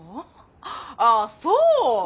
ああそう？